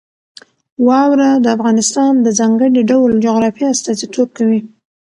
واوره د افغانستان د ځانګړي ډول جغرافیه استازیتوب کوي.